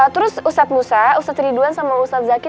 terus ustadz musa ustadz ridwan sama ustadz zaki